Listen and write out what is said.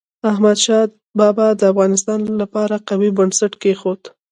احمد شاه بابا د افغانستان لپاره قوي بنسټ کېښود.